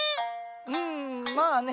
うんまあね